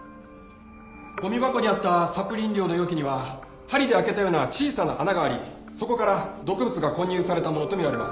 ゴミ箱にあったサプリ飲料の容器には針で開けたような小さな穴がありそこから毒物が混入されたものと見られます。